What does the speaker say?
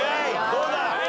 どうだ？